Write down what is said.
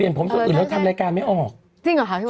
ดีน่ะกินของออร์แกนิคก็สงสารผู้ประกอบการไม่อยากไปซ้ำเติมอะไรแข็งแด๋ว